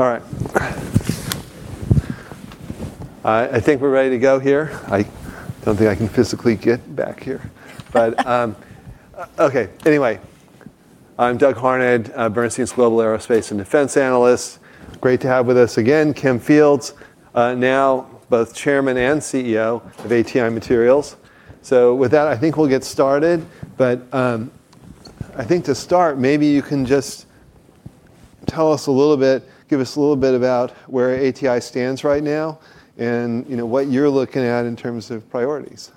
All right. I think we're ready to go here. I don't think I can physically get back here. Okay. Anyway, I'm Doug Harned, Bernstein's Global Aerospace and Defense Analyst. Great to have with us again, Kim Fields now, both Chairman and CEO of ATI Materials. With that, I think we'll get started. I think to start, maybe you can just tell us a little bit, give us a little bit about where ATI stands right now and what you're looking at in terms of priorities.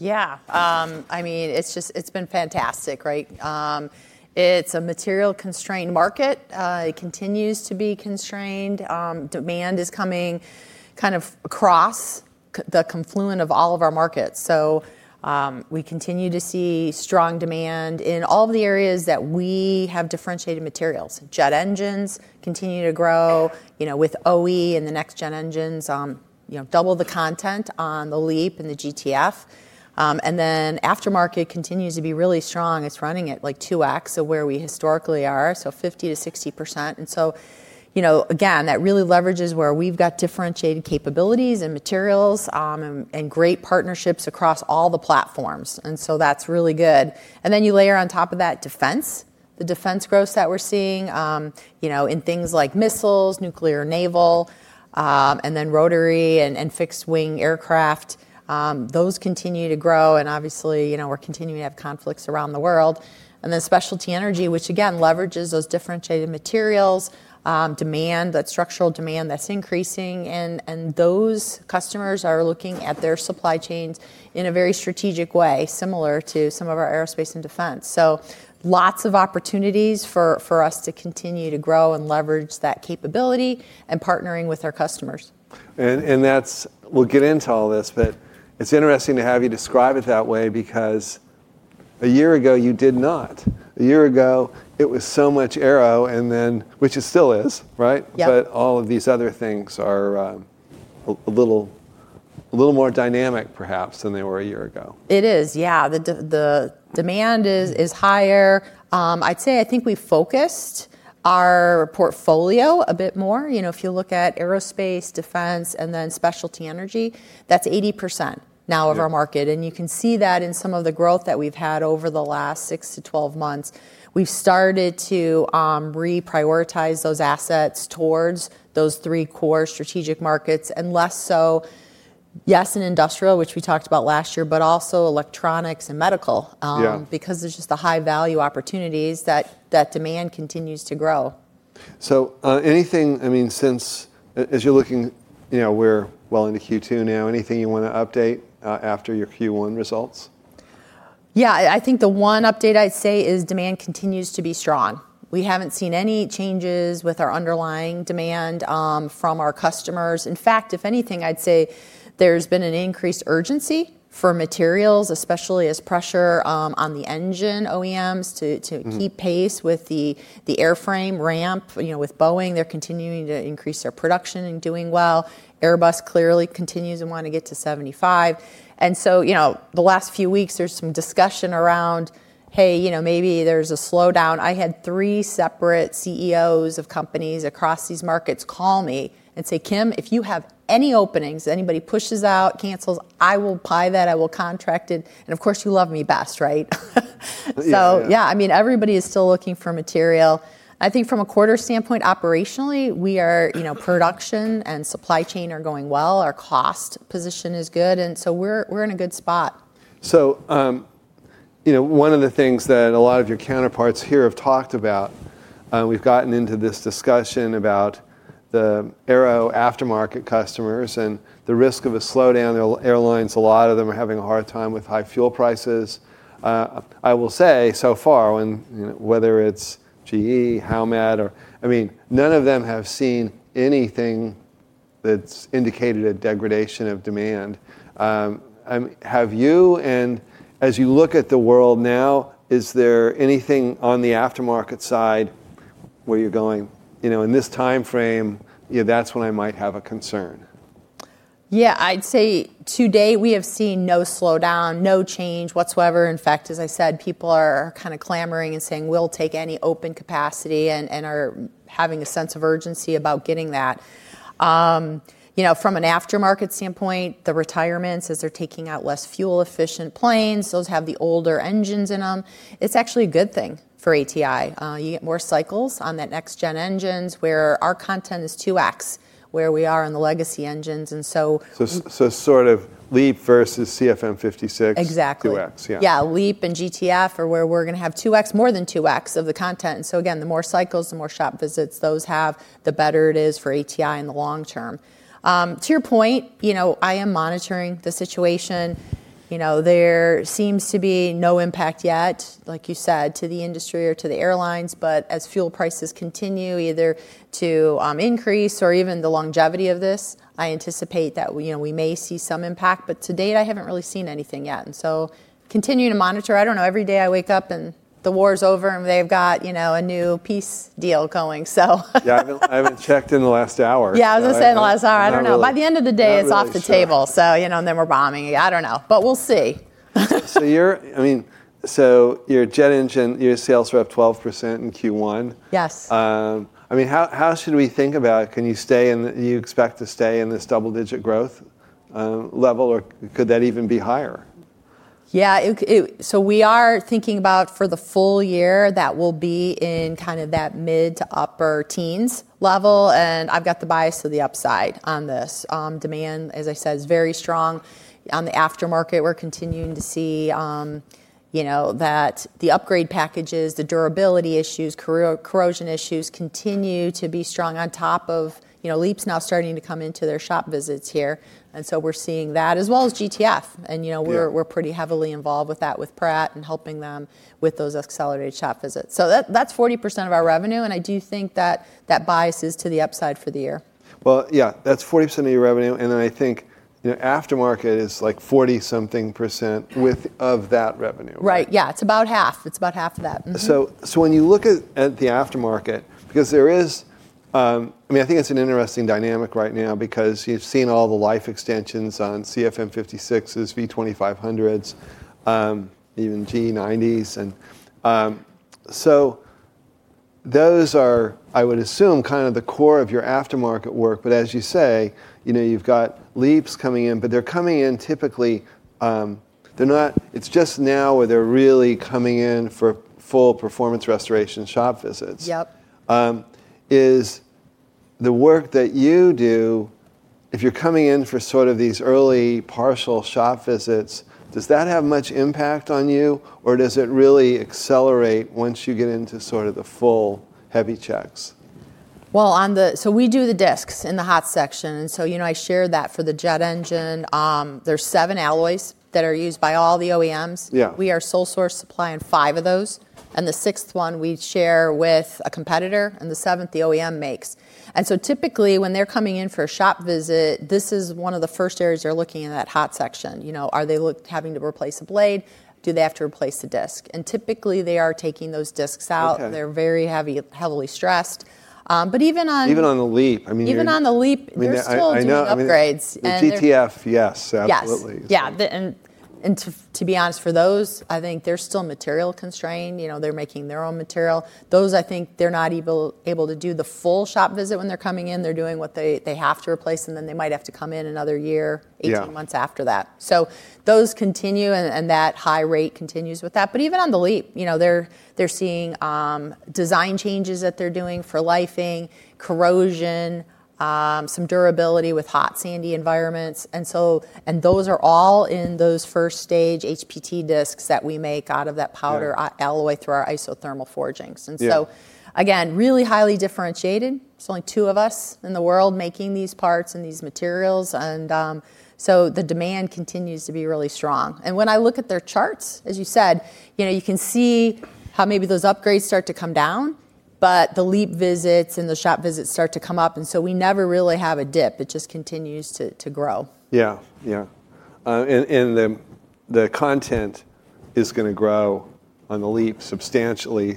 Yeah. It's been fantastic. It's a material-constrained market. It continues to be constrained. Demand is coming across the confluent of all of our markets. We continue to see strong demand in all of the areas that we have differentiated materials. Jet engines continue to grow, with OE and the next-gen engines, double the content on the LEAP and the GTF. Aftermarket continues to be really strong. It's running at like 2X of where we historically are, so 50%-60%. Again, that really leverages where we've got differentiated capabilities and materials, and great partnerships across all the platforms. That's really good. You layer on top of that defense, the defense growth that we're seeing, in things like missiles, nuclear naval, and then rotary and fixed-wing aircraft. Those continue to grow and obviously, we're continuing to have conflicts around the world. Specialty energy, which again, leverages those differentiated materials, demand, that structural demand that's increasing, and those customers are looking at their supply chains in a very strategic way, similar to some of our aerospace and defense. Lots of opportunities for us to continue to grow and leverage that capability and partnering with our customers. We'll get into all this, but it's interesting to have you describe it that way because a year ago you did not. A year ago, it was so much aero, then, which it still is, right? Yeah. All of these other things are a little more dynamic, perhaps, than they were a year ago. It is, yeah. The demand is higher. I'd say I think we focused our portfolio a bit more. If you look at aerospace, defense, and then specialty energy, that's 80% now of our market. You can see that in some of the growth that we've had over the last six to 12 months. We've started to reprioritize those assets towards those three core strategic markets, and less so, yes, in industrial, which we talked about last year, but also electronics and medical. Yeah. Because there's just the high-value opportunities that demand continues to grow. Anything, since, as you're looking, we're well into Q2 now, anything you want to update after your Q1 results? Yeah. I think the one update I'd say is demand continues to be strong. We haven't seen any changes with our underlying demand from our customers. In fact, if anything, I'd say there's been an increased urgency for materials, especially as pressure on the engine OEMs to keep pace with the airframe ramp. With Boeing, they're continuing to increase their production and doing well. Airbus clearly continues and want to get to 75. The last few weeks, there's some discussion around, hey, maybe there's a slowdown. I had three separate CEOs of companies across these markets call me and say, "Kim, if you have any openings, anybody pushes out, cancels, I will buy that, I will contract it. Of course, you love me best, right? Yeah. Yeah, everybody is still looking for material. I think from a quarter standpoint, operationally, production and supply chain are going well. Our cost position is good, we're in a good spot. One of the things that a lot of your counterparts here have talked about, we've gotten into this discussion about the aero aftermarket customers and the risk of a slowdown. Airlines, a lot of them are having a hard time with high fuel prices. I will say, so far, when, whether it's GE, Howmet, or, none of them have seen anything that's indicated a degradation of demand. Have you? As you look at the world now, is there anything on the aftermarket side where you're going, in this timeframe, that's when I might have a concern? Yeah, I'd say today we have seen no slowdown, no change whatsoever. In fact, as I said, people are kind of clamoring and saying, "We'll take any open capacity" and are having a sense of urgency about getting that. From an aftermarket standpoint, the retirements, as they're taking out less fuel-efficient planes, those have the older engines in them. It's actually a good thing for ATI. You get more cycles on that next-gen engines where our content is 2X, where we are on the legacy engines. Sort of LEAP versus CFM56. Exactly 2X. Yeah. Yeah. LEAP and GTF are where we're going to have 2X, more than 2X, of the content. Again, the more cycles, the more shop visits those have, the better it is for ATI in the long term. To your point, I am monitoring the situation. There seems to be no impact yet, like you said, to the industry or to the airlines, but as fuel prices continue either to increase or even the longevity of this, I anticipate that we may see some impact, but to date, I haven't really seen anything yet. Continuing to monitor. I don't know, every day I wake up and the war is over, and they've got a new peace deal going. Yeah, I haven't checked in the last hour. Yeah, I was going to say, the last hour, I don't know. Not really. By the end of the day, it's off the table. Not really sure. Then we're bombing. I don't know. We'll see. Your jet engine, your sales rep 12% in Q1. Yes. How should we think about it? Do you expect to stay in this double-digit growth level, or could that even be higher? Yeah. We are thinking about, for the full year, that will be in kind of that mid to upper teens level, and I've got the bias to the upside on this. Demand, as I said, is very strong. On the aftermarket, we're continuing to see that the upgrade packages, the durability issues, corrosion issues continue to be strong on top of LEAP's now starting to come into their shop visits here. We're seeing that as well as GTF. Yeah. We're pretty heavily involved with that, with Pratt, and helping them with those accelerated shop visits. That's 40% of our revenue, and I do think that that bias is to the upside for the year. Well, yeah. That's 40% of your revenue, and then I think your aftermarket is, like, 40% something of that revenue. Right. Yeah. It's about half. It's about half of that. When you look at the aftermarket, I think it's an interesting dynamic right now because you've seen all the life extensions on CFM56s, V2500s, even GE90s. Those are, I would assume, kind of the core of your aftermarket work. As you say, you've got LEAPs coming in. They're coming in typically. It's just now where they're really coming in for full performance restoration shop visits. Yep. Is the work that you do, if you're coming in for sort of these early partial shop visits, does that have much impact on you, or does it really accelerate once you get into sort of the full heavy checks? We do the disks in the hot section. I shared that for the jet engine. There's seven alloys that are used by all the OEMs. Yeah. We are sole source supplying five of those. The sixth one we share with a competitor. The seventh the OEM makes. Typically, when they're coming in for a shop visit, this is one of the first areas they're looking in that hot section. Are they having to replace a blade? Do they have to replace the disk? Typically, they are taking those disks out. Okay. They're very heavily stressed. Even on the LEAP, I mean. Even on the LEAP, they're still doing upgrades. The GTF, yes. Absolutely. Yes. Yeah. To be honest, for those, I think they're still material constrained. They're making their own material. Those, I think, they're not able to do the full shop visit when they're coming in. They're doing what they have to replace, and then they might have to come in another year. Yeah. 18 months after that. Those continue, and that high rate continues with that. Even on the LEAP, they're seeing design changes that they're doing for lifing, corrosion, some durability with hot, sandy environments. Those are all in those first stage HPT disks that we make out of that powder- Yeah. ...alloy through our isothermal forgings. Yeah. Again, really highly differentiated. There's only two of us in the world making these parts and these materials, and so the demand continues to be really strong. When I look at their charts, as you said, you can see how maybe those upgrades start to come down. The LEAP visits and the shop visits start to come up, and so we never really have a dip. It just continues to grow. Yeah. The content is going to grow on the LEAP substantially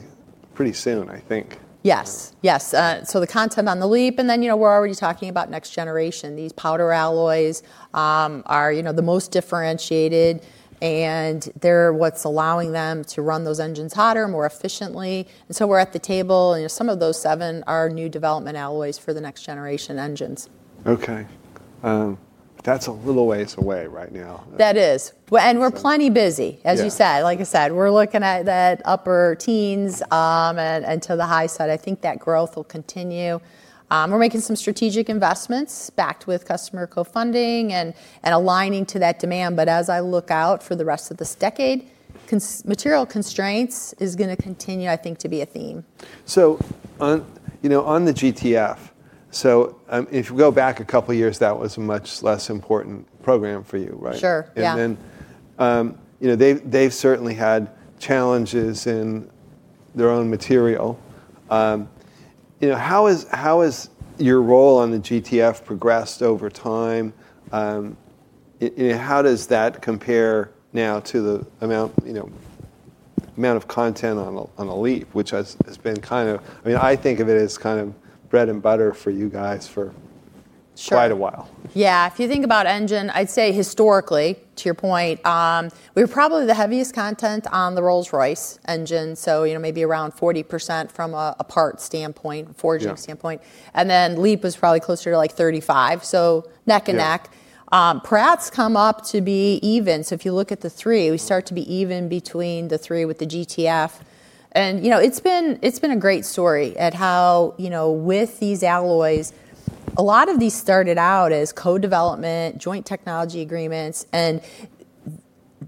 pretty soon, I think. Yes. The content on the LEAP, we're already talking about next generation. These powder alloys are the most differentiated, and they're what's allowing them to run those engines hotter, more efficiently. We're at the table, and some of those seven are new development alloys for the next generation engines. Okay. That's a little ways away right now. That is. We're plenty busy, as you said. Yeah. Like I said, we're looking at that upper teens, and to the high side. I think that growth will continue. We're making some strategic investments backed with customer co-funding and aligning to that demand. As I look out for the rest of this decade, material constraints is going to continue, I think, to be a theme. On the GTF, if you go back a couple of years, that was a much less important program for you, right? Sure. Yeah. They've certainly had challenges in their own material. How has your role on the GTF progressed over time? How does that compare now to the amount of content on a LEAP? Which has been kind of I think of it as kind of bread and butter for you guys for- Sure. ...quite a while. Yeah. If you think about engine, I'd say historically, to your point, we were probably the heaviest content on the Rolls-Royce engine, so maybe around 40% from a part standpoint, a forging standpoint. Yeah. LEAP was probably closer to, like, 35%, so neck and neck. Yeah. Pratt's come up to be even. If you look at the three, we start to be even between the three with the GTF. It's been a great story at how, with these alloys, a lot of these started out as co-development, joint technology agreements, and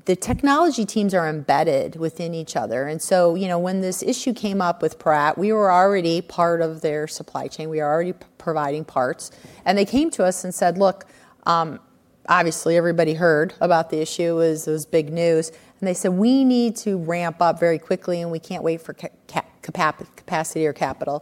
the technology teams are embedded within each other. When this issue came up with Pratt, we were already part of their supply chain. We were already providing parts. They came to us and said, obviously, everybody heard about the issue, it was big news. They said, "We need to ramp up very quickly, and we can't wait for capacity or capital."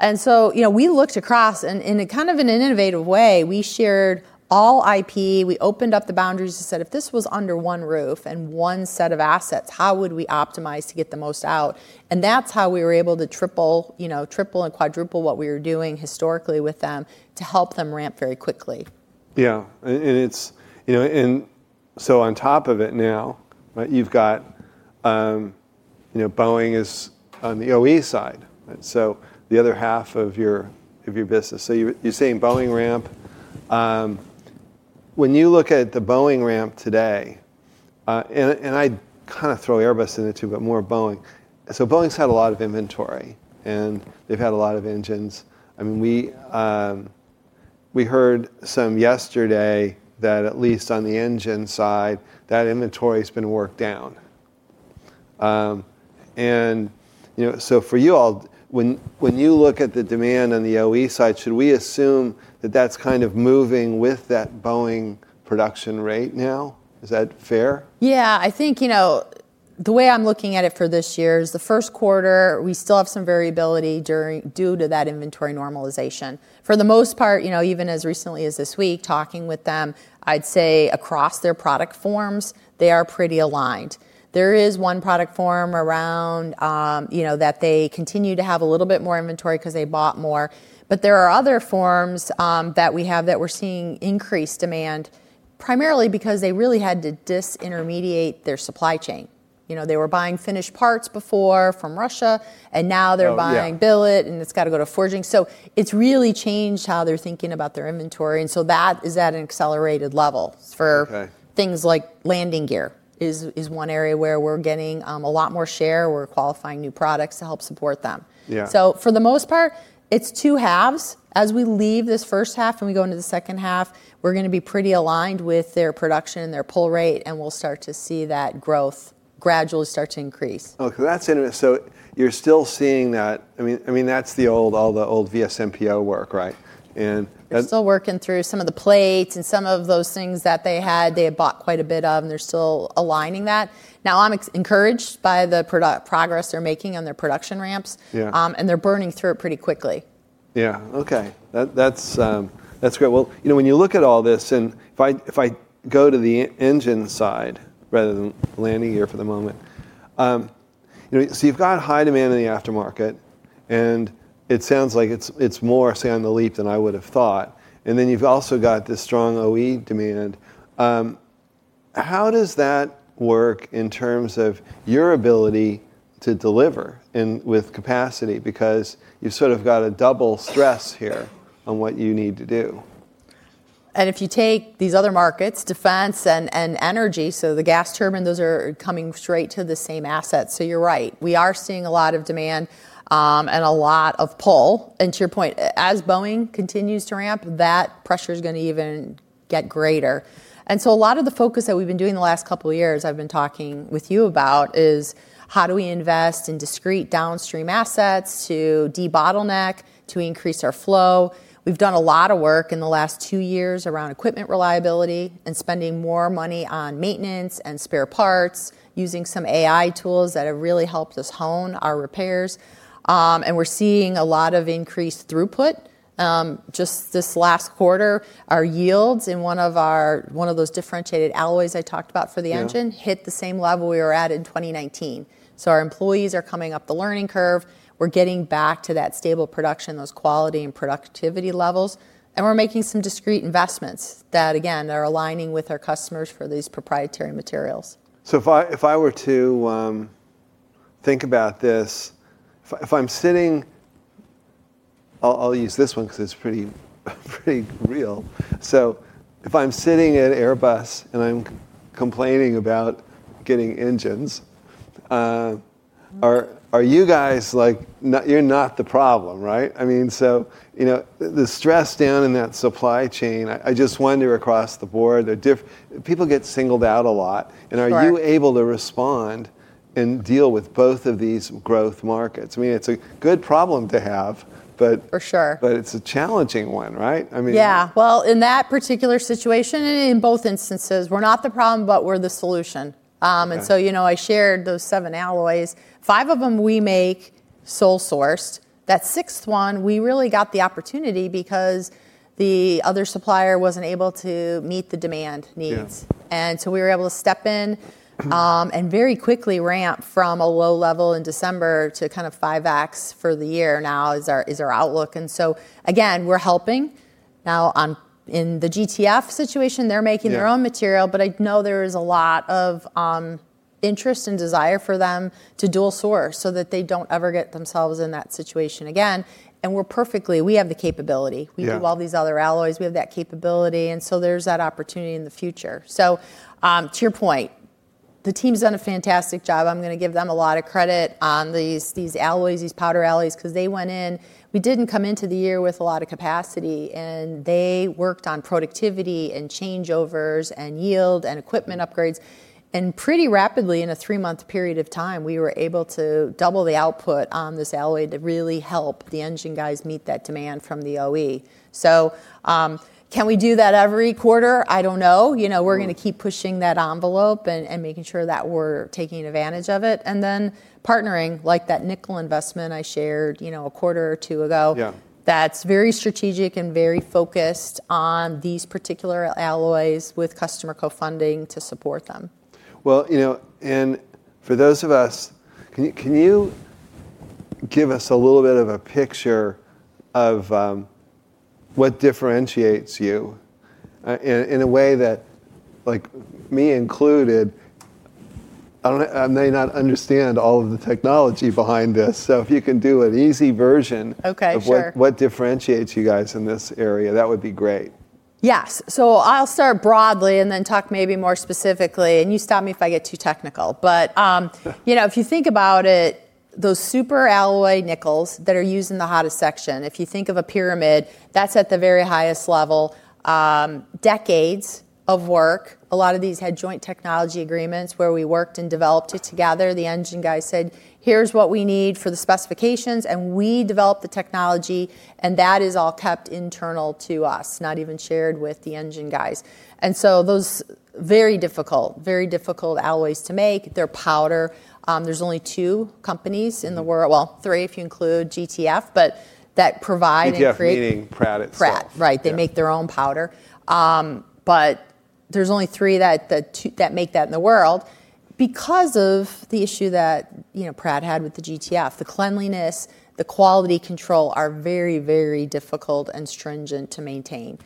Yeah. We looked across, and in kind of an innovative way, we shared all IP, we opened up the boundaries and said, "If this was under one roof and one set of assets, how would we optimize to get the most out?" That's how we were able to triple and quadruple what we were doing historically with them to help them ramp very quickly. Yeah. On top of it now, you've got Boeing is on the OE side, so the other half of your business. You're saying Boeing ramp. When you look at the Boeing ramp today, and I kind of throw Airbus in it too, but more Boeing. Boeing's had a lot of inventory, and they've had a lot of engines. We heard some yesterday that at least on the engine side, that inventory's been worked down. For you all, when you look at the demand on the OE side, should we assume that that's kind of moving with that Boeing production rate now? Is that fair? Yeah, I think, the way I'm looking at it for this year is the first quarter, we still have some variability due to that inventory normalization. For the most part, even as recently as this week, talking with them, I'd say across their product forms, they are pretty aligned. There is one product form around that they continue to have a little bit more inventory because they bought more. There are other forms that we have that we're seeing increased demand, primarily because they really had to disintermediate their supply chain. They were buying finished parts before from Russia. Oh, yeah. Now they're buying billet, and it's got to go to forging. It's really changed how they're thinking about their inventory, and so that is at an accelerated level- Okay ...for things like landing gear, is one area where we're getting a lot more share. We're qualifying new products to help support them. Yeah. For the most part, it's two halves. As we leave this first half and we go into the second half, we're going to be pretty aligned with their production, their pull rate, and we'll start to see that growth gradually start to increase. Okay, that's interesting. That's all the old VSMPO work, right? They're still working through some of the plates and some of those things that they had bought quite a bit of, and they're still aligning that. I'm encouraged by the progress they're making on their production ramps. Yeah. They're burning through it pretty quickly. Yeah. Okay. That's great. When you look at all this, if I go to the engine side rather than landing gear for the moment. You've got high demand in the aftermarket, and it sounds like it's more sand in the LEAP than I would have thought. You've also got this strong OE demand. How does that work in terms of your ability to deliver with capacity? Because you've sort of got a double stress here on what you need to do. If you take these other markets, defense and energy, so the gas turbine, those are coming straight to the same asset. You're right. We are seeing a lot of demand, and a lot of pull. To your point, as Boeing continues to ramp, that pressure's going to even get greater. A lot of the focus that we've been doing the last couple of years, I've been talking with you about, is how do we invest in discrete downstream assets to debottleneck, to increase our flow? We've done a lot of work in the last two years around equipment reliability and spending more money on maintenance and spare parts, using some AI tools that have really helped us hone our repairs. We're seeing a lot of increased throughput. Just this last quarter, our yields in one of those differentiated alloys I talked about for the engine- Yeah. ...hit the same level we were at in 2019. Our employees are coming up the learning curve. We're getting back to that stable production, those quality and productivity levels, and we're making some discrete investments that, again, are aligning with our customers for these proprietary materials. If I were to think about this, I'll use this one because it's pretty real. If I'm sitting at Airbus and I'm complaining about getting engines, are you guys like, "You're not the problem." Right? The stress down in that supply chain, I just wonder across the board, people get singled out a lot. Sure. Are you able to respond and deal with both of these growth markets? I mean, it's a good problem to have, but- For sure. ...it's a challenging one, right? Yeah. Well, in that particular situation, and in both instances, we're not the problem, but we're the solution. Okay. I shared those seven alloys. Five of them we make sole sourced. That sixth one, we really got the opportunity because the other supplier wasn't able to meet the demand needs. Yeah. We were able to step in. Very quickly ramp from a low level in December to a kind of 5X for the year now is our outlook. Again, we're helping. Now in the GTF situation, they're making- Yeah. ...their own material, but I know there is a lot of interest and desire for them to dual source so that they don't ever get themselves in that situation again. We have the capability. Yeah. We do all these other alloys, we have that capability. There's that opportunity in the future. To your point, the team's done a fantastic job. I'm going to give them a lot of credit on these alloys, these powder alloys, because they went in, we didn't come into the year with a lot of capacity, and they worked on productivity and changeovers and yield and equipment upgrades, and pretty rapidly, in a three-month period of time, we were able to double the output on this alloy to really help the engine guys meet that demand from the OE. Can we do that every quarter? I don't know. We're going to keep pushing that envelope and making sure that we're taking advantage of it, and then partnering, like that nickel investment I shared a quarter or two ago. Yeah. That is very strategic and very focused on these particular alloys with customer co-funding to support them. Well, for those of us, can you give us a little bit of a picture of what differentiates you in a way that, me included, I may not understand all of the technology behind this? If you can do an easy version- Okay, sure. ...of what differentiates you guys in this area, that would be great. Yes. I'll start broadly and then talk maybe more specifically, and you stop me if I get too technical. If you think about it, those superalloy nickels that are used in the hottest section, if you think of a pyramid, that's at the very highest level. Decades of work. A lot of these had joint technology agreements where we worked and developed it together. The engine guys said, "Here's what we need for the specifications," and we developed the technology, and that is all kept internal to us, not even shared with the engine guys. Those, very difficult alloys to make. They're powder. There's only two companies in the world, well, three if you include GTF, but that provide and create- GTF meaning Pratt itself. Pratt. Right. Yeah. They make their own powder. There's only three that make that in the world. Because of the issue that Pratt had with the GTF, the cleanliness, the quality control are very, very difficult and stringent to maintain.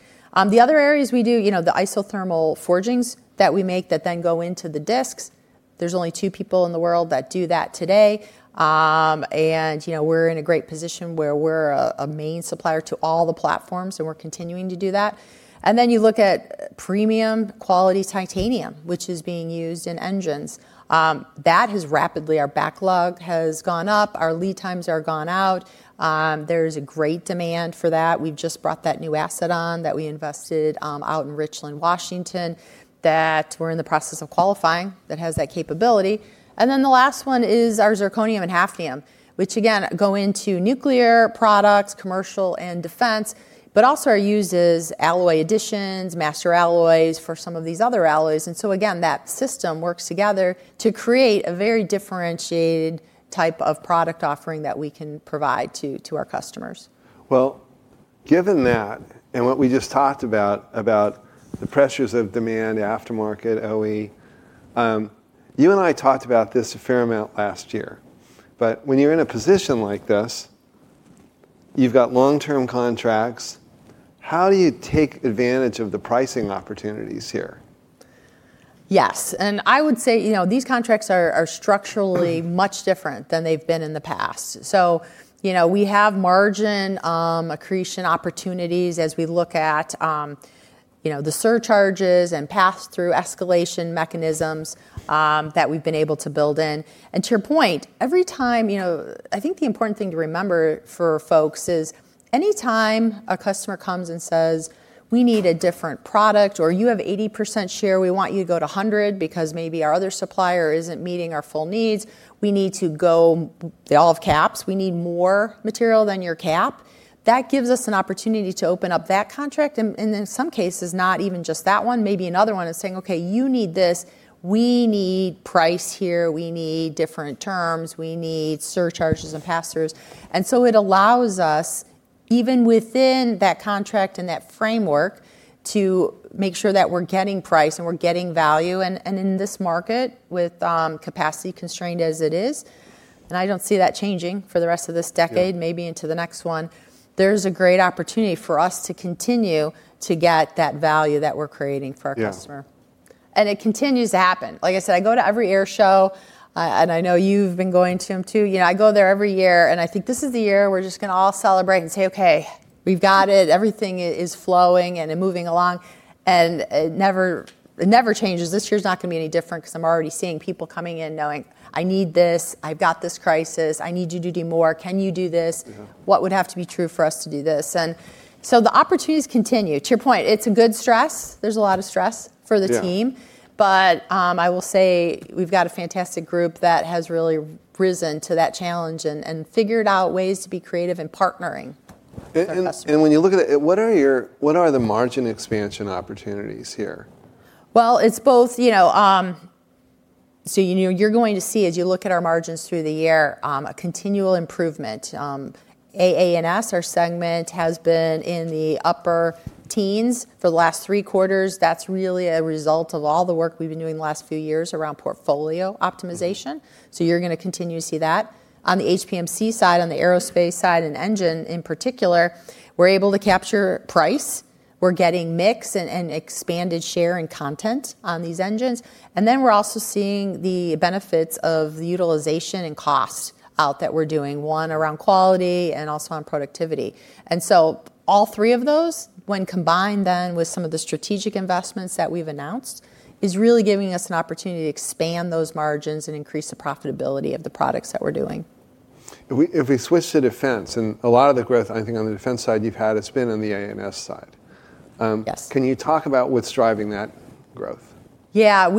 The other areas we do, the isothermal forgings that we make that then go into the disks, there's only two people in the world that do that today. We're in a great position where we're a main supplier to all the platforms, and we're continuing to do that. Then you look at premium quality titanium, which is being used in engines. That has rapidly, our backlog has gone up. Our lead times are gone out. There's a great demand for that. We've just brought that new asset on that we invested out in Richland, Washington, that we're in the process of qualifying, that has that capability. The last one is our zirconium and hafnium, which again, go into nuclear products, commercial, and defense. Also are used as alloy additions, master alloys for some of these other alloys. Again, that system works together to create a very differentiated type of product offering that we can provide to our customers. Well, given that and what we just talked about the pressures of demand, the aftermarket, OE. You and I talked about this a fair amount last year. When you're in a position like this, you've got long-term contracts. How do you take advantage of the pricing opportunities here? Yes. I would say, these contracts are structurally much different than they've been in the past. We have margin accretion opportunities as we look at the surcharges and pass-through escalation mechanisms that we've been able to build in. To your point, I think the important thing to remember for folks is any time a customer comes and says, "We need a different product," or, "You have 80% share, we want you to go to 100% because maybe our other supplier isn't meeting our full needs. We need to go all caps. We need more material than your cap." That gives us an opportunity to open up that contract, and in some cases, not even just that one, maybe another one is saying, "Okay, you need this." We need price here. We need different terms. We need surcharges and pass-throughs. It allows us, even within that contract and that framework, to make sure that we're getting price and we're getting value. In this market, with capacity constrained as it is, and I don't see that changing for the rest of this decade- Yeah. ...maybe into the next one, there's a great opportunity for us to continue to get that value that we're creating for our customer. Yeah. It continues to happen. Like I said, I go to every air show. I know you've been going to them, too. I go there every year, and I think this is the year we're just going to all celebrate and say, "Okay, we've got it. Everything is flowing and moving along." It never changes. This year's not going to be any different because I'm already seeing people coming in knowing, "I need this. I've got this crisis. I need you to do more. Can you do this? Yeah. What would have to be true for us to do this?" The opportunities continue. To your point, it's a good stress. There's a lot of stress for the team. Yeah. I will say, we've got a fantastic group that has really risen to that challenge and figured out ways to be creative in partnering with our customers. When you look at it, what are the margin expansion opportunities here? You're going to see, as you look at our margins through the year, a continual improvement. AA&S, our segment, has been in the upper teens for the last three quarters. That's really a result of all the work we've been doing the last few years around portfolio optimization. You're going to continue to see that. On the HPMC side, on the aerospace side and engine in particular, we're able to capture price. We're getting mix and expanded share and content on these engines. Then we're also seeing the benefits of the utilization and cost out that we're doing, one around quality and also on productivity. All three of those, when combined then with some of the strategic investments that we've announced, is really giving us an opportunity to expand those margins and increase the profitability of the products that we're doing. If we switch to defense, and a lot of the growth, I think on the defense side you've had, it's been on the AA&S side. Yes. Can you talk about what's driving that growth? I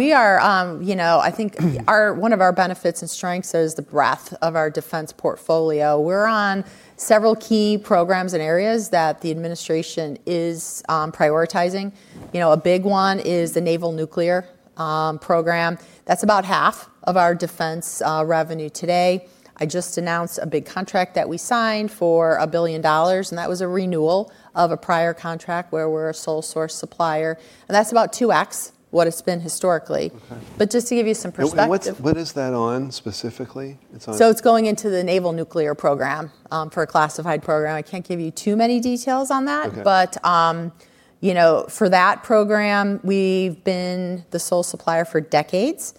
think one of our benefits and strengths is the breadth of our defense portfolio. We're on several key programs and areas that the administration is prioritizing. A big one is the naval nuclear program. That's about half of our defense revenue today. I just announced a big contract that we signed for $1 billion, and that was a renewal of a prior contract where we're a sole source supplier. That's about 2X what it's been historically. Okay. Just to give you some perspective. What is that on specifically? It's going into the naval nuclear program, for a classified program. I can't give you too many details on that. Okay. For that program, we've been the sole supplier for decades.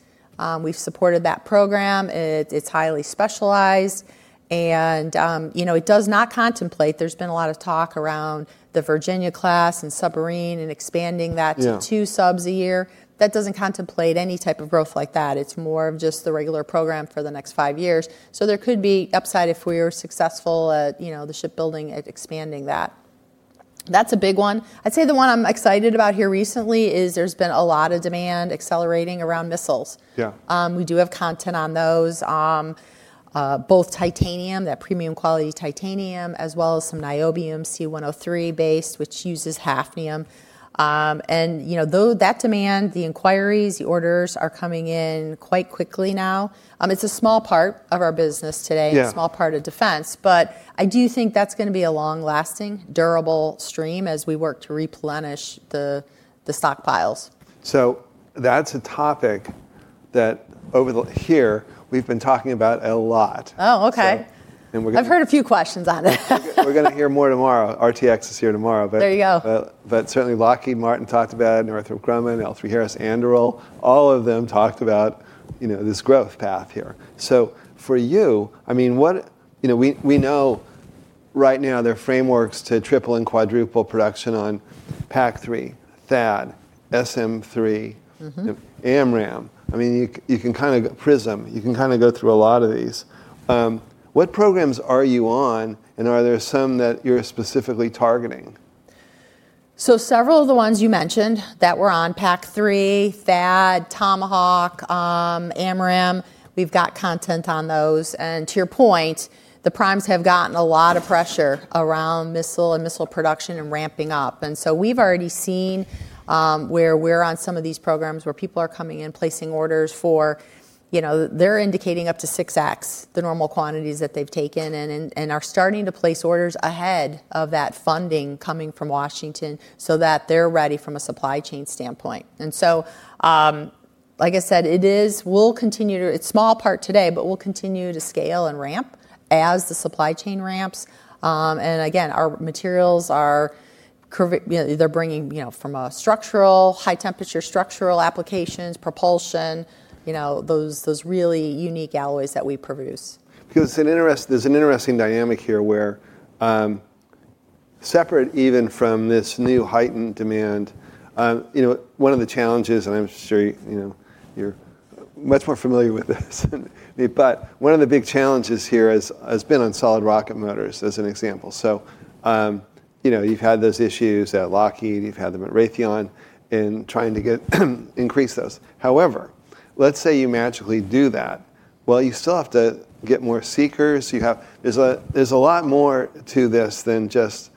We've supported that program. It's highly specialized, and it does not contemplate, there's been a lot of talk around the Virginia-class and submarine, and expanding that- Yeah. ...to two subs a year. That doesn't contemplate any type of growth like that. It's more of just the regular program for the next five years. There could be upside if we are successful at the shipbuilding, at expanding that. That's a big one. I'd say the one I'm excited about here recently is there's been a lot of demand accelerating around missiles. Yeah. We do have content on those, both titanium, that premium quality titanium, as well as some niobium C-103 base, which uses hafnium. That demand, the inquiries, the orders are coming in quite quickly now. It's a small part of our business today. Yeah. A small part of defense, but I do think that's going to be a long-lasting, durable stream as we work to replenish the stockpiles. That's a topic that here we've been talking about a lot. Oh, okay. So, and we're going to- I've heard a few questions on it. We're going to hear more tomorrow. RTX is here tomorrow. There you go. Certainly Lockheed Martin talked about it, Northrop Grumman, L3Harris, Anduril, all of them talked about this growth path here. For you, we know right now there are frameworks to triple and quadruple production on PAC-3, THAAD, SM-3. AMRAAM. PrSM, you can kind of go through a lot of these. What programs are you on, and are there some that you're specifically targeting? Several of the ones you mentioned that were on PAC-3, THAAD, Tomahawk, AMRAAM, we've got content on those. To your point, the primes have gotten a lot of pressure around missile and missile production and ramping up. We've already seen where we're on some of these programs, where people are coming in, placing orders for, they're indicating up to 6X the normal quantities that they've taken and are starting to place orders ahead of that funding coming from Washington so that they're ready from a supply chain standpoint. Like I said, it's a small part today, but we'll continue to scale and ramp as the supply chain ramps. Again, our materials are, they're bringing from a structural, high temperature structural applications, propulsion, those really unique alloys that we produce. There's an interesting dynamic here where separate even from this new heightened demand, one of the challenges, and I'm sure you're much more familiar with this than me, but one of the big challenges here has been on solid rocket motors as an example. You've had those issues at Lockheed, you've had them at Raytheon in trying to increase those. However, let's say you magically do that. Well, you still have to get more seekers. There's a lot more to this than just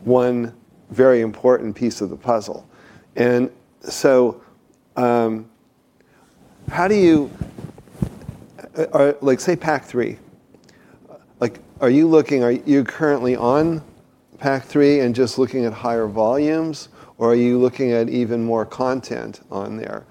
one very important piece of the puzzle. Say PAC-3. Are you currently on PAC-3 and just looking at higher volumes, or are you looking at even more content on there?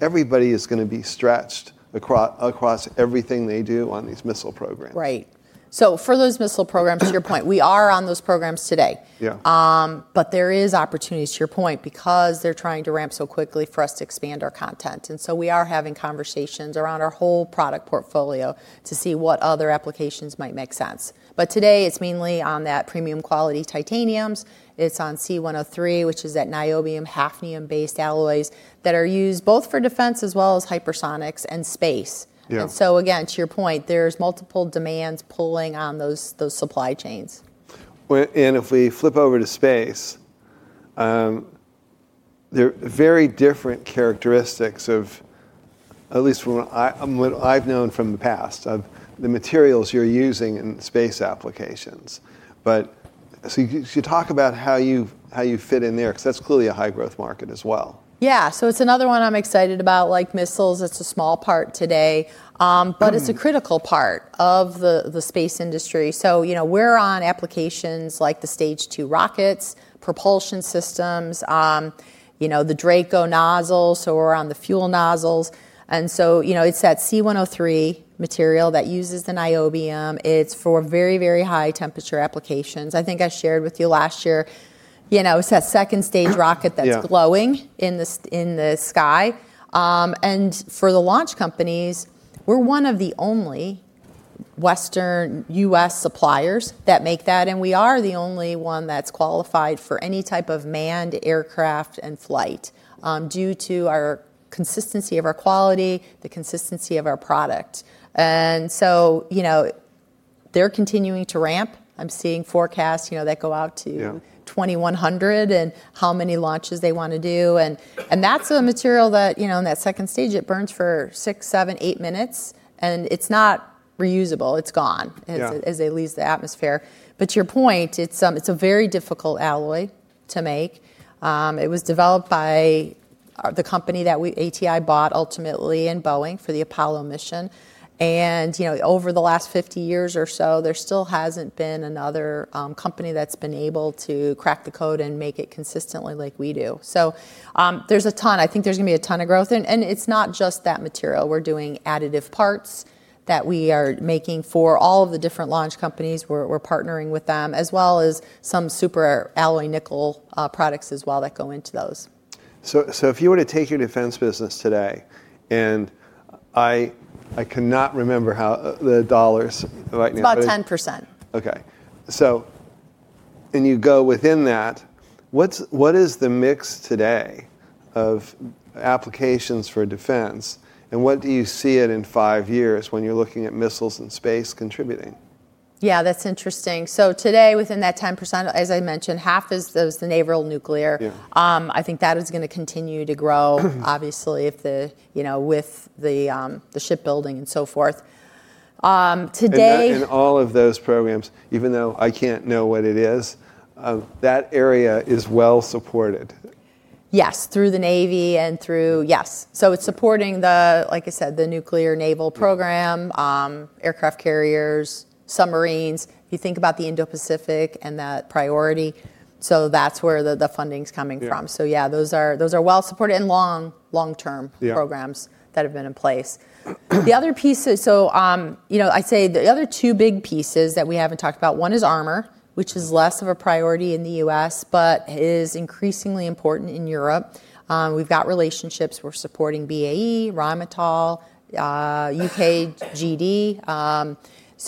Everybody is going to be stretched across everything they do on these missile programs. Right. For those missile programs, to your point, we are on those programs today. Yeah. There is opportunities, to your point, because they're trying to ramp so quickly for us to expand our content. We are having conversations around our whole product portfolio to see what other applications might make sense. Today, it's mainly on that premium quality titaniums. It's on C-103, which is that niobium, hafnium-based alloys that are used both for defense as well as hypersonics and space. Yeah. Again, to your point, there's multiple demands pulling on those supply chains. If we flip over to space, there are very different characteristics of, at least from what I've known from the past, of the materials you're using in space applications. You talk about how you fit in there, because that's clearly a high growth market as well. Yeah. It's another one I'm excited about. Like missiles, it's a small part today. It's a critical part of the space industry. We're on applications like the stage 2 rockets, propulsion systems, the Draco nozzles, so we're on the fuel nozzles. It's that C-103 material that uses the niobium. It's for very high temperature applications. I think I shared with you last year, it's that second stage rocket that's glowing- Yeah. ...in the sky. For the launch companies, we're one of the only Western U.S. suppliers that make that, and we are the only one that's qualified for any type of manned aircraft and flight, due to our consistency of our quality, the consistency of our product. They're continuing to ramp. I'm seeing forecasts that go out to- Yeah. ...2,100 and how many launches they want to do. That's the material that in that second stage, it burns for six, seven, eight minutes, and it's not reusable. It's gone. Yeah. As it leaves the atmosphere. To your point, it's a very difficult alloy to make. It was developed by the company that ATI bought ultimately, and Boeing for the Apollo program. Over the last 50 years or so, there still hasn't been another company that's been able to crack the code and make it consistently like we do. There's a ton. I think there's going to be a ton of growth. It's not just that material. We're doing additive parts that we are making for all of the different launch companies. We're partnering with them, as well as some super alloy nickel products as well that go into those. If you were to take your defense business today, and I cannot remember how the dollars right now. It's about 10%. Okay. You go within that, what is the mix today of applications for defense, and what do you see it in five years when you're looking at missiles and space contributing? Yeah, that's interesting. Today, within that 10%, as I mentioned, half is the naval nuclear. Yeah. I think that is going to continue to grow, obviously with the shipbuilding and so forth. That in all of those programs, even though I can't know what it is, that area is well-supported. Yes, through the Navy and through, Yes. It's supporting the, like you said, the nuclear naval program. aircraft carriers, submarines. You think about the Indo-Pacific and that priority, so that's where the funding's coming from. Yeah. Yeah, those are well-supported and long-term. Yeah. programs that have been in place. The other piece, I'd say the other two big pieces that we haven't talked about, one is armor, which is less of a priority in the U.S. but is increasingly important in Europe. We've got relationships, we're supporting BAE, Rheinmetall, U.K. GD.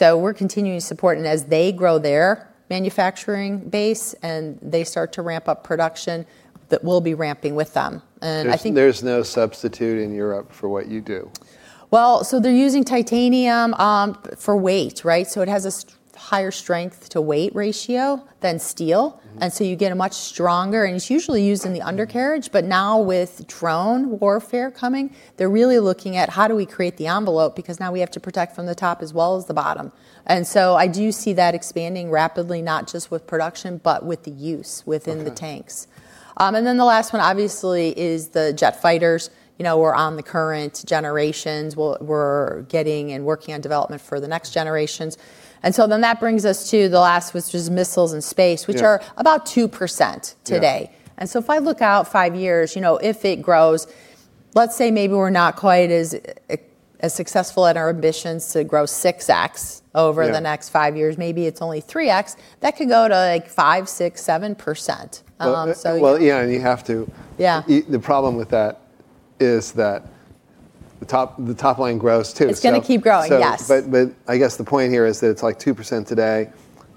We're continuing to support, and as they grow their manufacturing base and they start to ramp up production, that we'll be ramping with them. There's no substitute in Europe for what you do. Well, they're using titanium for weight. It has a higher strength to weight ratio than steel. You get a much stronger, and it's usually used in the undercarriage, but now with drone warfare coming, they're really looking at how do we create the envelope, because now we have to protect from the top as well as the bottom. I do see that expanding rapidly, not just with production, but with the use within the tanks. Okay. The last one obviously is the jet fighters. We're on the current generations. We're getting and working on development for the next generations. That brings us to the last, which is missiles and space. YeahX which are about 2% today. Yeah. If I look out five years, if it grows, let's say maybe we're not quite as successful at our ambitions to grow 6X- Yeah. ...over the next five years, maybe it's only 3X, that could go to 5%, 6%, 7%. Well, yeah, you have to. Yeah. The problem with that is that the top line grows too. It's going to keep growing, yes. I guess the point here is that it's like 2% today,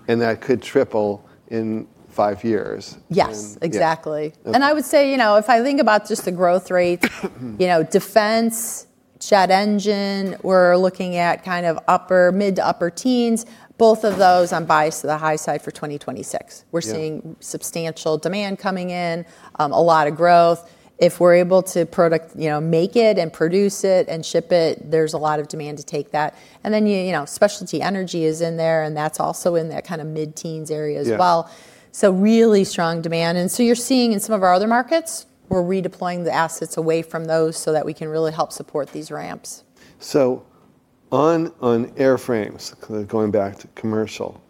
and that could triple in five years. Yes. Yeah. Exactly. I would say, if I think about just the growth rates, defense, jet engine, we're looking at mid to upper teens, both of those I'm biased to the high side for 2026. Yeah. We're seeing substantial demand coming in, a lot of growth. If we're able to make it and produce it and ship it, there's a lot of demand to take that. Specialty energy is in there, and that's also in that mid-teens area as well. Yeah. Really strong demand. You're seeing in some of our other markets, we're redeploying the assets away from those so that we can really help support these ramps. On airframes, going back to commercial,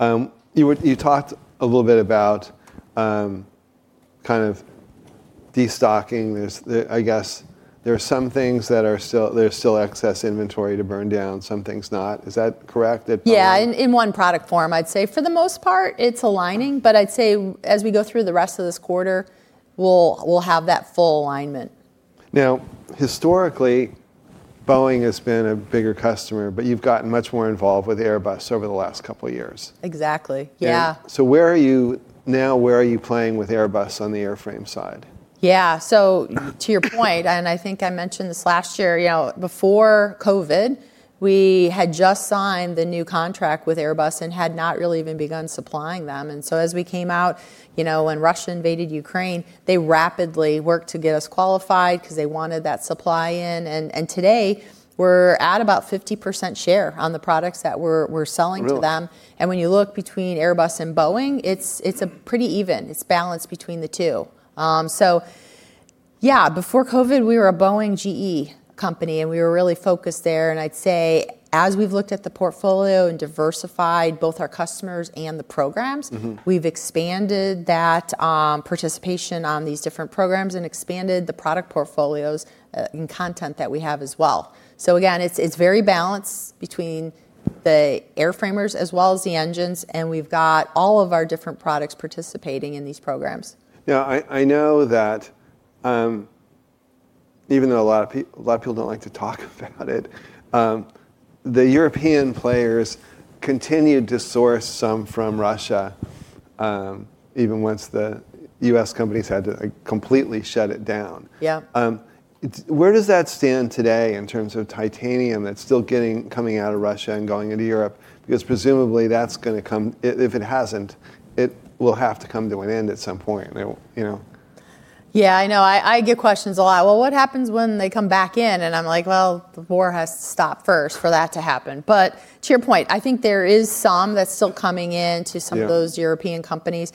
you talked a little bit about kind of destocking. I guess there's still excess inventory to burn down, some things not. Is that correct at Boeing? Yeah, in one product form. I'd say for the most part, it's aligning, but I'd say as we go through the rest of this quarter, we'll have that full alignment. Historically, Boeing has been a bigger customer, but you've gotten much more involved with Airbus over the last couple of years. Exactly. Yeah. Now, where are you playing with Airbus on the airframe side? Yeah. To your point, I think I mentioned this last year, before COVID, we had just signed the new contract with Airbus and had not really even begun supplying them. As we came out, when Russia invaded Ukraine, they rapidly worked to get us qualified because they wanted that supply in. Today, we're at about 50% share on the products that we're selling to them. Really? When you look between Airbus and Boeing, it's pretty even. It's balanced between the two. Yeah, before COVID, we were a Boeing-GE company, and we were really focused there, and I'd say as we've looked at the portfolio and diversified both our customers and the programs- ...we've expanded that participation on these different programs and expanded the product portfolios and content that we have as well. Again, it's very balanced between the airframers as well as the engines, and we've got all of our different products participating in these programs. Yeah, I know that even though a lot of people don't like to talk about it, the European players continued to source some from Russia, even once the U.S. companies had to completely shut it down. Yeah. Where does that stand today in terms of titanium that's still coming out of Russia and going into Europe? Presumably, if it hasn't, it will have to come to an end at some point. Yeah, I know. I get questions a lot, "Well, what happens when they come back in?" I'm like, "Well, the war has to stop first for that to happen." To your point, I think there is some that's still coming in to some- Yeah. ...of those European companies.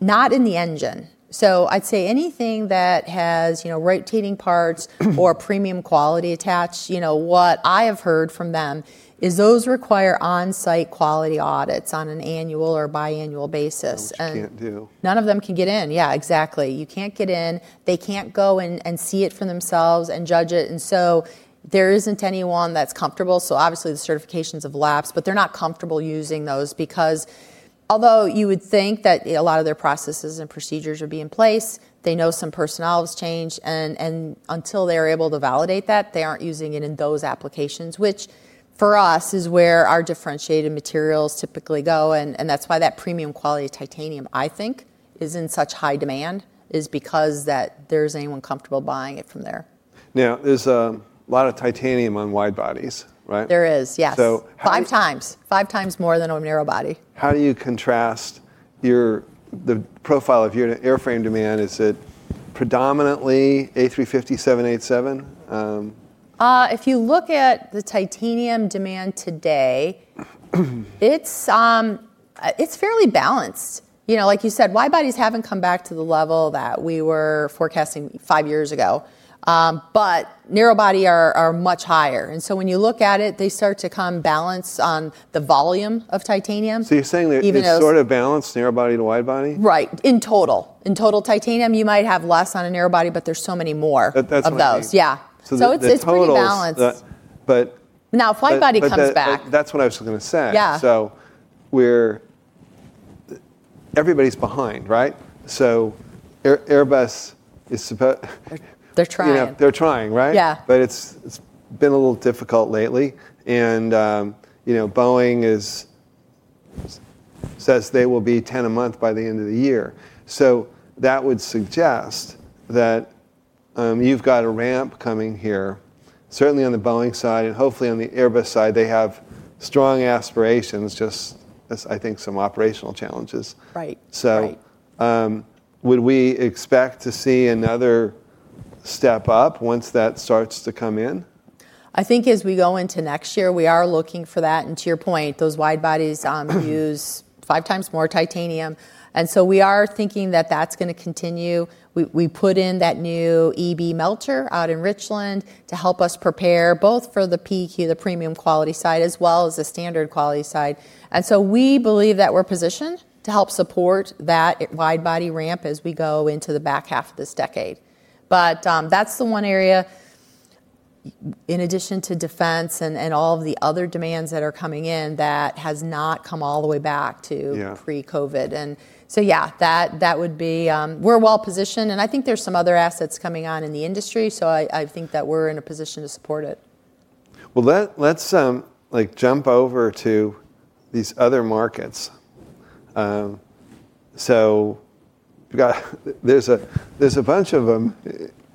Not in the engine. I'd say anything that has rotating parts or premium quality attached, what I have heard from them is those require on-site quality audits on an annual or bi-annual basis. Which you can't do. None of them can get in. Yeah, exactly. You can't get in, they can't go in and see it for themselves and judge it, there isn't anyone that's comfortable, obviously the certifications have lapsed. They're not comfortable using those because although you would think that a lot of their processes and procedures would be in place, they know some personnel has changed, until they're able to validate that, they aren't using it in those applications. Which for us, is where our differentiated materials typically go, that's why that premium quality titanium, I think, is in such high demand, is because that there's anyone comfortable buying it from there. There's a lot of titanium on wide bodies, right? There is, yes. How do you? Five times. Five times more than on narrow body. How do you contrast the profile of your airframe demand? Is it predominantly A350-787? If you look at the titanium demand today, it's fairly balanced. Like you said, wide bodies haven't come back to the level that we were forecasting five years ago. Narrow body are much higher. When you look at it, they start to come balanced on the volume of titanium. You're saying they're sort of balanced, narrow body to wide body? Right. In total. In total titanium, you might have less on a narrow body, but there's so many more- That's what I mean. ...of those. Yeah. So the totals- It's pretty balanced ...the, but- Now, if wide body comes back. That's what I was going to say. Yeah. Everybody's behind, right? Airbus is- They're trying. They're trying, right? Yeah. It's been a little difficult lately. Boeing says they will be 10 a month by the end of the year. That would suggest that you've got a ramp coming here, certainly on the Boeing side, and hopefully on the Airbus side. They have strong aspirations, just, I think, some operational challenges. Right. Would we expect to see another step up once that starts to come in? I think as we go into next year, we are looking for that. To your point, those wide bodies use five times more titanium. We are thinking that that's going to continue. We put in that new EB melter out in Richland to help us prepare both for the PQ, the premium quality side, as well as the standard quality side. We believe that we're positioned to help support that wide body ramp as we go into the back half of this decade. That's the one area, in addition to defense and all of the other demands that are coming in, that has not come all the way back to- Yeah. ...pre-COVID. Yeah, we're well positioned, and I think there's some other assets coming on in the industry, so I think that we're in a position to support it. Well, let's jump over to these other markets. We've got there's a bunch of them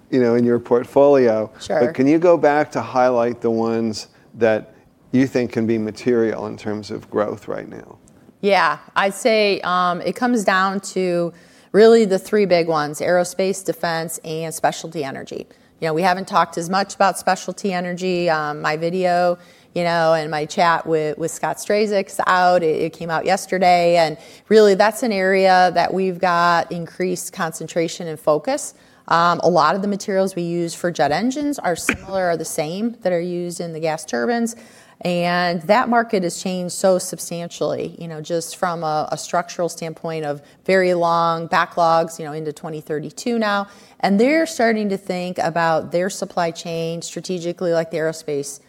in your portfolio. Sure. Can you go back to highlight the ones that you think can be material in terms of growth right now? Yeah. I'd say it comes down to really the three big ones, aerospace, defense, and specialty energy. We haven't talked as much about specialty energy. My video, and my chat with Scott Strazik out, it came out yesterday, really that's an area that we've got increased concentration and focus. A lot of the materials we use for jet engines are similar or the same that are used in the gas turbines, that market has changed so substantially, just from a structural standpoint of very long backlogs into 2032 now. They're starting to think about their supply chain strategically, like the aerospace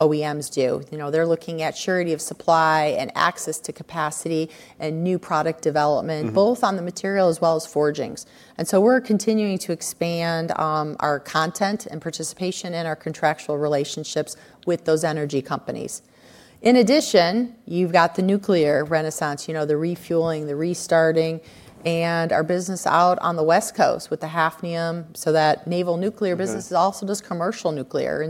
OEMs do. They're looking at surety of supply and access to capacity and new product development. both on the material as well as forgings. We're continuing to expand our content and participation in our contractual relationships with those energy companies. In addition, you've got the nuclear renaissance, the refueling, the restarting, and our business out on the West Coast with the hafnium, so that naval nuclear business- ...also does commercial nuclear.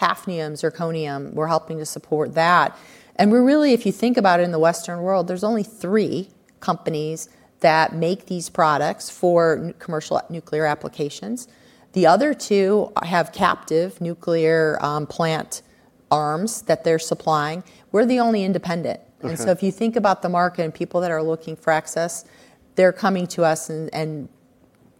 Hafnium, zirconium, we're helping to support that. We're really, if you think about it, in the Western world, there's only three companies that make these products for commercial nuclear applications. The other two have captive nuclear plant arms that they're supplying. We're the only independent. Okay. If you think about the market and people that are looking for access, they're coming to us and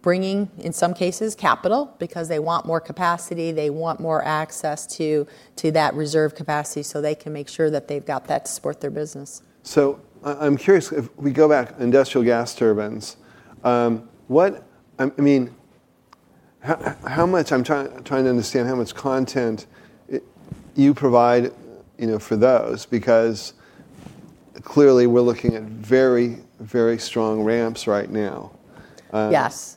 bringing, in some cases, capital, because they want more capacity, they want more access to that reserve capacity so they can make sure that they've got that to support their business. I'm curious, if we go back, industrial gas turbines. I'm trying to understand how much content you provide for those, because clearly we're looking at very strong ramps right now. Yes.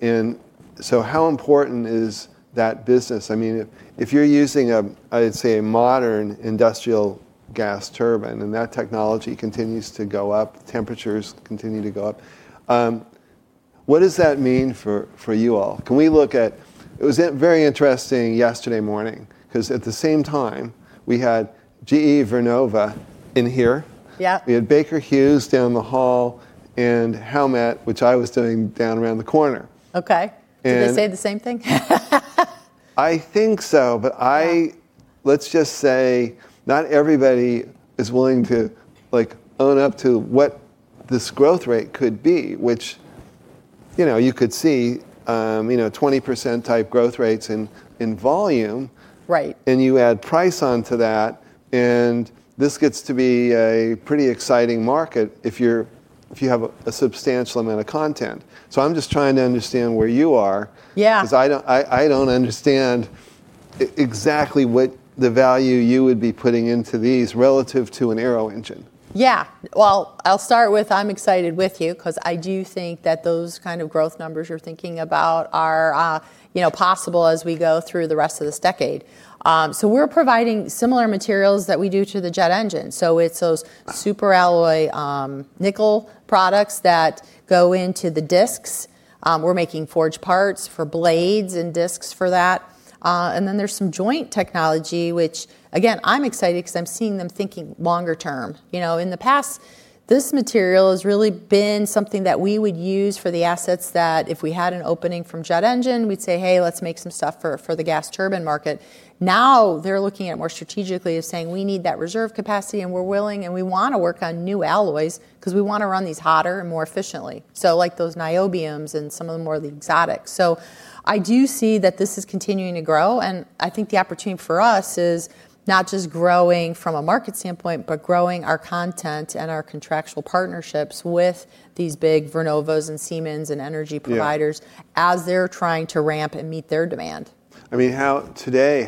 How important is that business? If you're using a, I'd say a modern industrial gas turbine, and that technology continues to go up, temperatures continue to go up, what does that mean for you all? It was very interesting yesterday morning, because at the same time, we had GE Vernova in here. Yeah. We had Baker Hughes down the hall, and Howmet, which I was doing down around the corner. Okay. And- Do they say the same thing? I think so, but let's just say not everybody is willing to own up to what this growth rate could be, which you could see 20%-type growth rates in volume. Right. You add price onto that, and this gets to be a pretty exciting market if you have a substantial amount of content. I'm just trying to understand where you are. Yeah. Because I don't understand exactly what the value you would be putting into these relative to an aero-engine. Yeah. Well, I'll start with I'm excited with you because I do think that those kind of growth numbers you're thinking about are possible as we go through the rest of this decade. We're providing similar materials that we do to the jet engine. It's those super alloy nickel products that go into the disks. We're making forge parts for blades and disks for that. There's some joint technology which, again, I'm excited because I'm seeing them thinking longer term. In the past, this material has really been something that we would use for the assets that if we had an opening from jet engine, we'd say, "Hey, let's make some stuff for the gas turbine market." Now, they're looking at it more strategically, as saying, "We need that reserve capacity, and we're willing, and we want to work on new alloys because we want to run these hotter and more efficiently." Like those niobium and some of the more of the exotic. I do see that this is continuing to grow, and I think the opportunity for us is not just growing from a market standpoint, but growing our content and our contractual partnerships with these big Vernovas and Siemens and energy providers. Yeah. As they're trying to ramp and meet their demand. Today,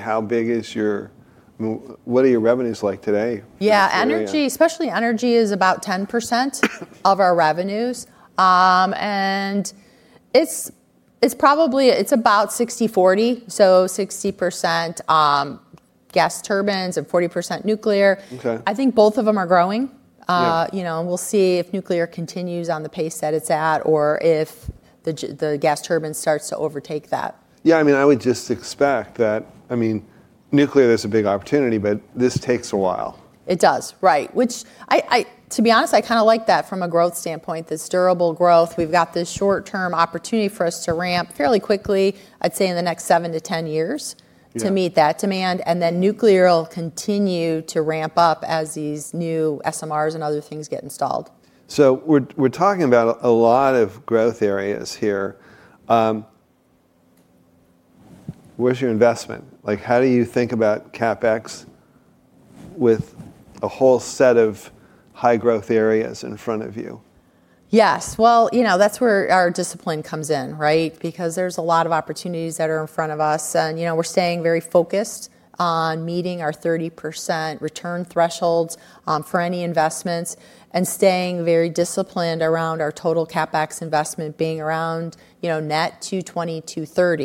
what are your revenues like today? Yeah. Specialty energy is about 10% of our revenues. It's about 60/40, so 60% gas turbines and 40% nuclear. Okay. I think both of them are growing. Yeah. We'll see if nuclear continues on the pace that it's at or if the gas turbine starts to overtake that. Yeah, I would just expect that, nuclear is a big opportunity, but this takes a while. It does, right. To be honest, I like that from a growth standpoint, this durable growth. We've got this short-term opportunity for us to ramp fairly quickly, I'd say in the next seven to 10 years. Yeah. to meet that demand, and then nuclear will continue to ramp up as these new SMRs and other things get installed. We're talking about a lot of growth areas here. Where's your investment? How do you think about CapEx with a whole set of high-growth areas in front of you? Yes. Well, that's where our discipline comes in, right? There's a lot of opportunities that are in front of us, and we're staying very focused on meeting our 30% return thresholds for any investments and staying very disciplined around our total CapEx investment being around net $220 million-$230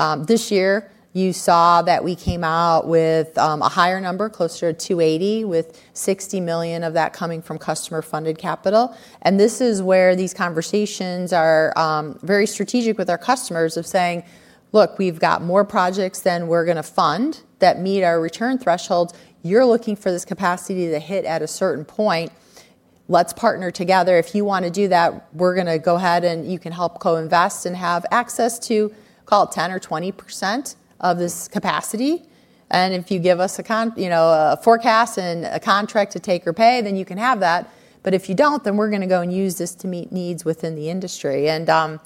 million. This year, you saw that we came out with a higher number, closer to $280 million, with $60 million of that coming from customer-funded capital. This is where these conversations are very strategic with our customers of saying, "Look, we've got more projects than we're going to fund that meet our return threshold. You're looking for this capacity to hit at a certain point. Let's partner together. If you want to do that, we're going to go ahead, and you can help co-invest and have access to, call it 10% or 20% of this capacity. If you give us a forecast and a contract to take or pay, then you can have that. If you don't, then we're going to go and use this to meet needs within the industry. The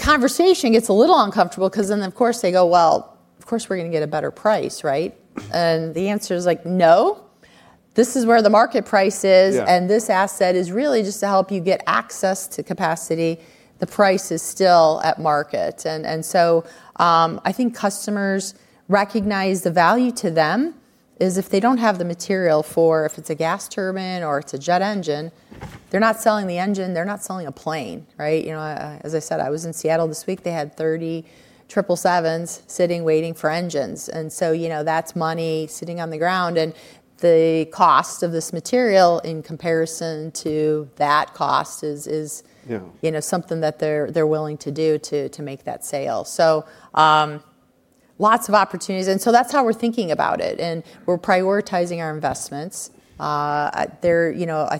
conversation gets a little uncomfortable because then, of course, they go, "Well, of course we're going to get a better price, right?" The answer is, "No, this is where the market price is. Yeah. This asset is really just to help you get access to capacity. The price is still at market. I think customers recognize the value to them is if they don't have the material for, if it's a gas turbine or it's a jet engine, they're not selling the engine, they're not selling a plane. As I said, I was in Seattle this week. They had 30 777s sitting, waiting for engines. That's money sitting on the ground, and the cost of this material in comparison to that cost is- Yeah. ...something that they're willing to do to make that sale. Lots of opportunities. That's how we're thinking about it, and we're prioritizing our investments. I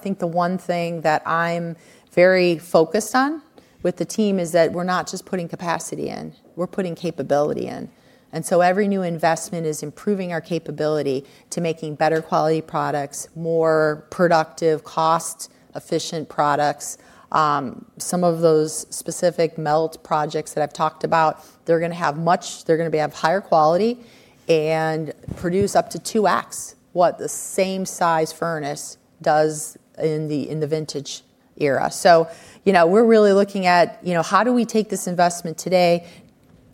think the one thing that I'm very focused on with the team is that we're not just putting capacity in, we're putting capability in. Every new investment is improving our capability to making better quality products, more productive, cost-efficient products. Some of those specific melt projects that I've talked about, they're going to be of higher quality and produce up to 2X what the same size furnace does in the vintage era. We're really looking at how do we take this investment today,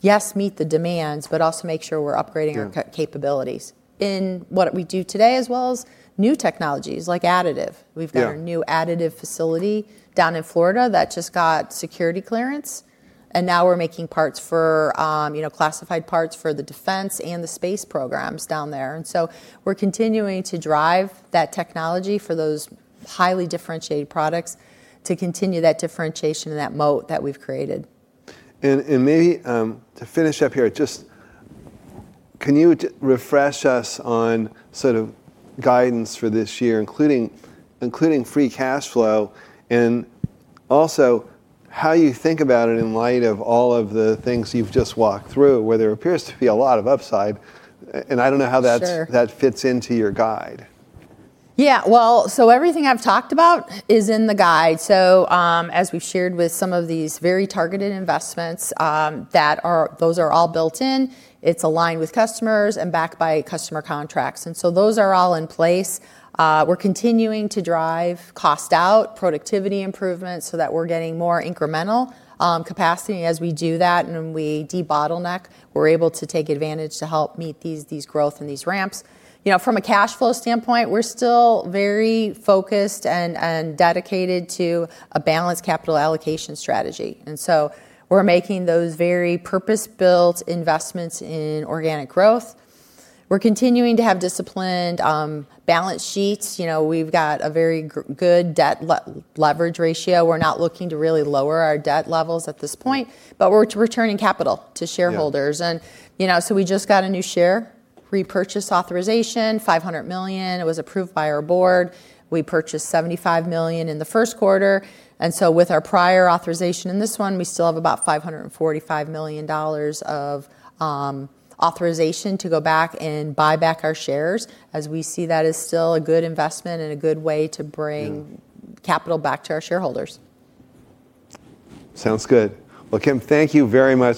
yes, meet the demands, but also make sure we're upgrading our- Yeah. ...capabilities in what we do today, as well as new technologies, like additive. Yeah. We've got our new additive facility down in Florida that just got security clearance, and now we're making classified parts for the defense and the space programs down there. We're continuing to drive that technology for those highly differentiated products to continue that differentiation and that moat that we've created. Maybe to finish up here, just can you refresh us on sort of guidance for this year, including free cash flow and also how you think about it in light of all of the things you've just walked through, where there appears to be a lot of upside- Sure. ...and I don't know how that fits into your guide. Well, everything I've talked about is in the guide. As we've shared with some of these very targeted investments, those are all built in. It's aligned with customers and backed by customer contracts. Those are all in place. We're continuing to drive cost out, productivity improvements, so that we're getting more incremental capacity as we do that, and when we de-bottleneck, we're able to take advantage to help meet these growth and these ramps. From a cash flow standpoint, we're still very focused and dedicated to a balanced capital allocation strategy. We're making those very purpose-built investments in organic growth. We're continuing to have disciplined balance sheets. We've got a very good debt leverage ratio. We're not looking to really lower our debt levels at this point, but we're returning capital to shareholders. Yeah. We just got a new share repurchase authorization, $500 million. It was approved by our board. We purchased $75 million in the first quarter. With our prior authorization in this one, we still have about $545 million of authorization to go back and buy back our shares as we see that as still a good investment and a good way to bring- ...capital back to our shareholders. Sounds good. Kim, thank you very much.